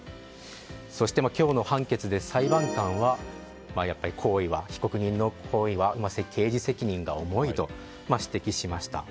そして今日の判決で裁判官は、被告人の行為は刑事責任が重いと指摘しました。